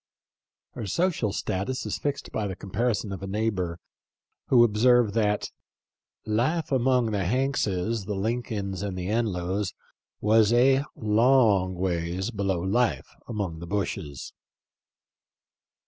Her social status is fixed by the comparison of a neighbor, who observed that " life among the Hankses, the Lin colns, and the Enlows was a long ways below life among the Bushes."